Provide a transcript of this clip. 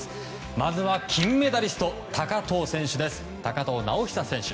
まずは金メダリスト高藤直寿選手